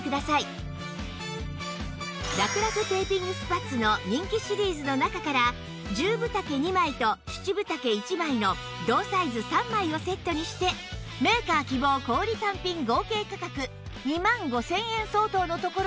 らくらくテーピングスパッツの人気シリーズの中から１０分丈２枚と７分丈１枚の同サイズ３枚をセットにしてメーカー希望小売単品合計価格２万５０００円相当のところ